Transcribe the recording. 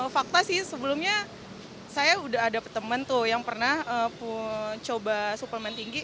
fakta sih sebelumnya saya udah ada temen tuh yang pernah coba suplemen tinggi